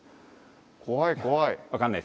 怖い怖い。